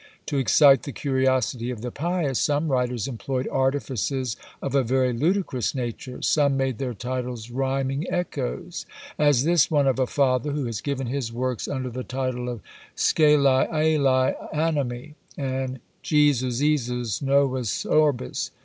To excite the curiosity of the pious, some writers employed artifices of a very ludicrous nature. Some made their titles rhyming echoes; as this one of a father, who has given his works under the title of Scalæ Alæ animi; and Jesus esus novus Orbis.